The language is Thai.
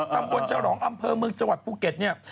ตำบลฉลองอำเภอเมืองจังหวัดภูเก็ตเนี่ย